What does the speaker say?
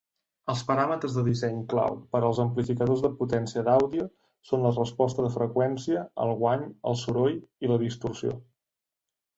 Els paràmetres de disseny clau per als amplificadors de potència d'àudio són la resposta de freqüència, el guany, el soroll i la distorsió.